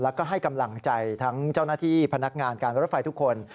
แล้วก็ให้กำลังใจทั้งเจ้าหน้าที่พนักงานการรถไฟทุกคน